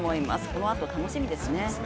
このあと、楽しみですね。